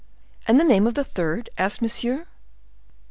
"And the name of the third?" asked Monsieur.